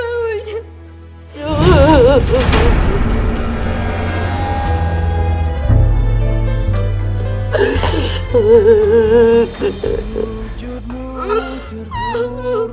ujjum allah bangun